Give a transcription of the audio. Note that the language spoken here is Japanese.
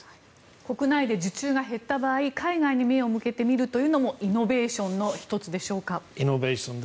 国内で受注が減った場合海外に目を向けてみるというのもイノベーションの１つでしょうか。